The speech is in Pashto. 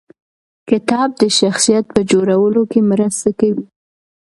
کتاب د شخصیت په جوړولو کې مرسته کوي.